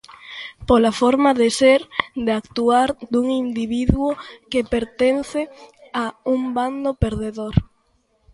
Pola forma de ser, de actuar dun individuo que pertence a un bando perdedor.